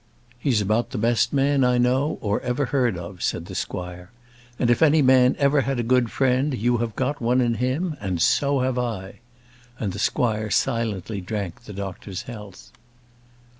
"He's about the best man I know, or ever heard of," said the squire. "And if any man ever had a good friend, you have got one in him; and so have I:" and the squire silently drank the doctor's health.